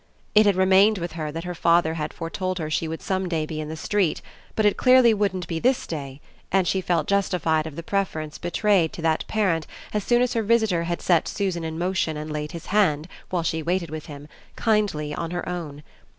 It had remained with her that her father had foretold her she would some day be in the street, but it clearly wouldn't be this day, and she felt justified of the preference betrayed to that parent as soon as her visitor had set Susan in motion and laid his hand, while she waited with him, kindly on her own.